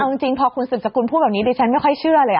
เอาจริงพอคุณสืบสกุลพูดแบบนี้ดิฉันไม่ค่อยเชื่อเลย